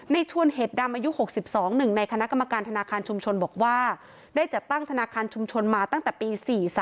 ในชวนเห็ดดำอายุ๖๒หนึ่งในคณะกรรมการธนาคารชุมชนบอกว่าได้จัดตั้งธนาคารชุมชนมาตั้งแต่ปี๔๓